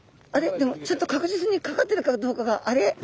でもちょっと確実にかかってるかどうかが。